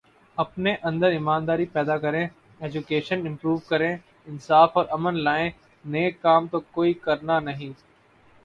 اپنے اندر ایمانداری پیدا کریں، ایجوکیشن امپروو کریں، انصاف اور امن لائیں، نیک کام تو کوئی کرنا نہیں